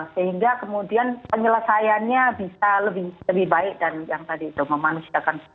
sehingga kemudian penyelesaiannya bisa lebih baik dan yang tadi itu memanusiakan